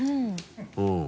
うん。